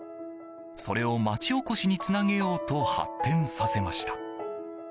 それを町おこしにつなげようと発展させました。